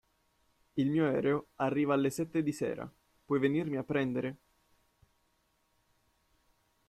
Il mio aereo arriva alle sette di sera, puoi venirmi a prendere?